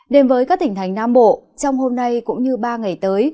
đến với các tỉnh thành nam bộ trong hôm nay cũng như ba ngày tới